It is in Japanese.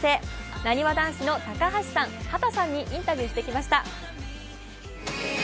なにわ男子の高橋さん、畑さんにインタビューしてきました。